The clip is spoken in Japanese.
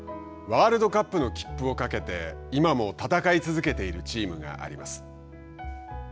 ワールドカップの切符をかけて今も戦い続けているチームがあります。